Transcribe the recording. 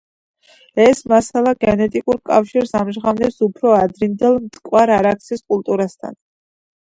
ეს მასალა გენეტიკურ კავშირს ამჟღავნებს უფრო ადრინდელ მტკვარ-არაქსის კულტურასთან.